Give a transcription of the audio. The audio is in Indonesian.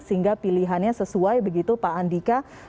sehingga pilihannya sesuai begitu pak andika